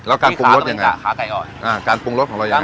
แล้วการปรุงรสยังไงอ่ะขาไก่อ่อนอ่าการปรุงรสของเรายัง